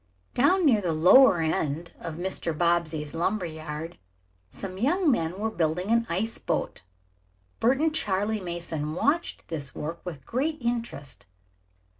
Down near the lower end of Mr. Bobbsey's lumber yard some young men were building an ice boat. Bert and Charley Mason watched this work with interest.